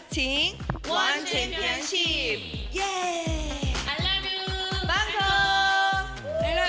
เป็นความสวยงามของสาวและรักคุณค่ะ